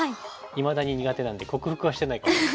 いまだに苦手なんで克服はしてないかも。